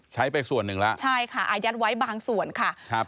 ใช้ไปส่วนหนึ่งแล้วใช่ค่ะอายัดไว้บางส่วนค่ะครับ